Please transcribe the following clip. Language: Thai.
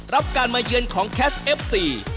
รับการมาเยือนของแคสเอฟซี